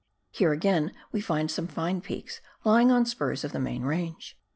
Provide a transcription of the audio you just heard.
* Here again we find some fine peaks lying on spurs of the main range.